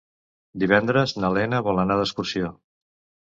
Divendres na Lena vol anar d'excursió.